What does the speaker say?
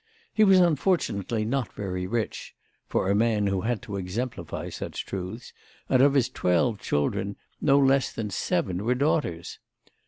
He was unfortunately not very rich—for a man who had to exemplify such truths—and of his twelve children no less than seven were daughters.